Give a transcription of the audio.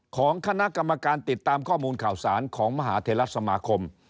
ของคณะกรรมการติดตามข้อมูลข่าวสารของมหาเทลสมาคม